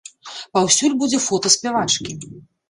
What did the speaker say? Паўсюль будзе фота спявачкі.